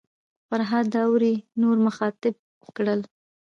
فرهاد داوري نور مخاطب کړل.